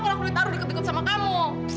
kalau aku ditaruh diketik ketik sama kamu